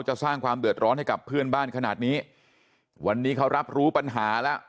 สร้างความเดือดร้อนให้กับเพื่อนบ้านขนาดนี้วันนี้เขารับรู้ปัญหาแล้ว